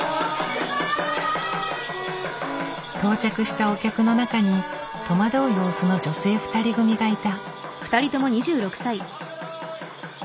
到着したお客の中に戸惑う様子の女性２人組がいた。